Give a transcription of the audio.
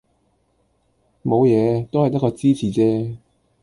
冇嘢，都係得個知字啫